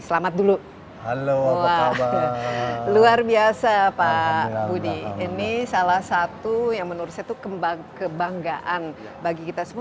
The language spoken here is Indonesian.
selamat dulu halo wah luar biasa pak budi ini salah satu yang menurut saya itu kebanggaan bagi kita semua